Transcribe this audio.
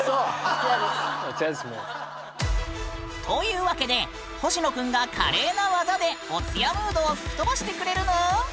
うそ！というわけでほしのくんが華麗な技でお通夜ムードを吹き飛ばしてくれるぬん！